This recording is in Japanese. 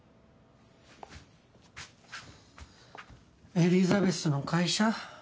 エリザベスの会社？